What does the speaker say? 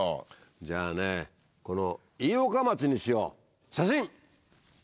じゃあねこの飯岡町にしよう。